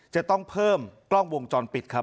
จะต้องเพิ่มกล้องวงจรปิดครับ